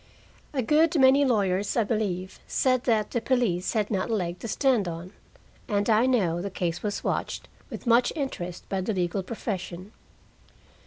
A good many lawyers, I believe, said that the police had not a leg to stand on, and I know the case was watched with much interest by the legal profession.